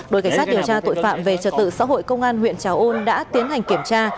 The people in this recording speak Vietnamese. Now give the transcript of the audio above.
đội cảnh sát điều tra tội phạm về trật tự xã hội công an huyện trà ôn đã tiến hành kiểm tra